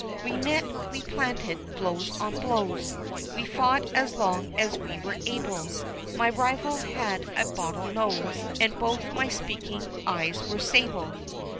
We met, we "planted" blows on blows: We fought as long as we were able: My rival had a bottle nose, And both my speaking eyes were sable.